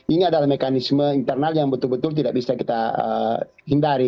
ini adalah mekanisme internal yang betul betul tidak bisa kita hindari